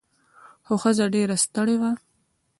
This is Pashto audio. خو ښځه ډیره ستړې وه.